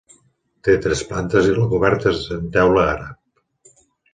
Té tres plantes i la coberta és en teula àrab.